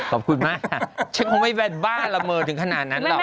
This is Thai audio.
ขอบคุณมากฉันคงไม่เป็นบ้าละเมอถึงขนาดนั้นหรอก